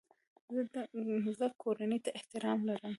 زه کورنۍ ته احترام لرم.